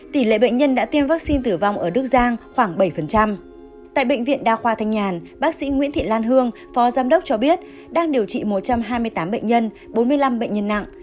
tại bệnh viện đa khoa thành nhàn bác sĩ nguyễn thị lan hương phó giám đốc cho biết đang điều trị một trăm hai mươi tám bệnh nhân bốn mươi năm bệnh nhân nặng